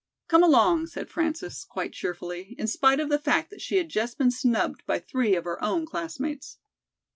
"Come along," said Frances, quite cheerfully, in spite of the fact that she had just been snubbed by three of her own classmates.